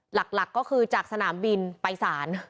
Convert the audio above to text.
หลักก็คือจากสนามบินไปศาล